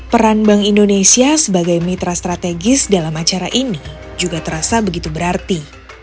peran bank indonesia sebagai mitra strategis dalam acara ini juga terasa begitu berarti